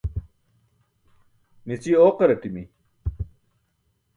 Mici ooqaraṭimi.